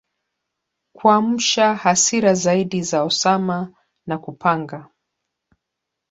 kuamsha hasira zaidi za Osama na kupanga